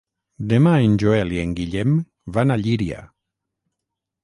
Demà en Joel i en Guillem van a Llíria.